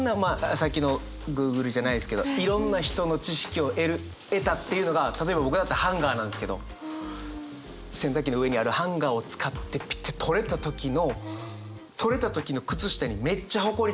さっきのＧｏｏｇｌｅじゃないですけどいろんな人の知識を得る得たっていうのが例えば僕だったらハンガーなんですけど洗濯機の上にあるハンガーを使ってピッて取れた時の取れた時のくつしたにめっちゃホコリついてる。